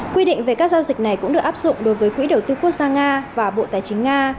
quy định về các giao dịch này cũng được áp dụng đối với quỹ đầu tư quốc gia nga và bộ tài chính nga